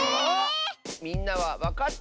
みんなはわかった？